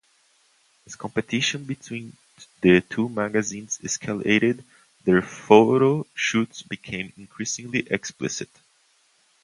As competition between the two magazines escalated, their photo shoots became increasingly explicit.